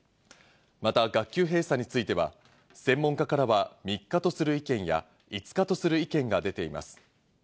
また学級閉鎖については専門家からは３日とする意見や５日とする意見が出ています。